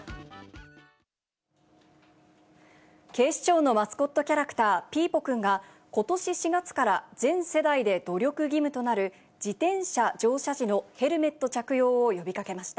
警視庁のマスコットキャラクター、ピーポくんが、ことし４月から全世代で努力義務となる、自転車乗車時のヘルメット着用を呼びかけました。